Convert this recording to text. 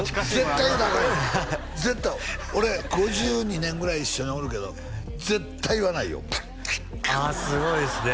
絶対言うたらアカンよ絶対俺５２年ぐらい一緒におるけど絶対言わないよくっくっああすごいっすね